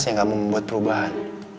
yang gak mau membuat perubahan